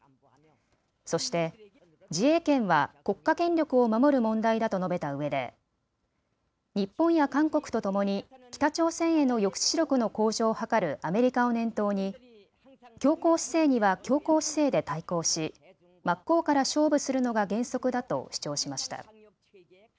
そして自衛権は国家権力を守る問題だと述べたうえで日本や韓国とともに北朝鮮への抑止力の向上を図るアメリカを念頭に強硬姿勢には強硬姿勢で対抗し真っ向から勝負するのが原則だと主張しました。